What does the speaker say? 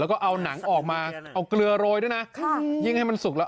แล้วก็เอาหนังออกมาเอาเกลือโรยด้วยนะค่ะยิ่งให้มันสุกแล้ว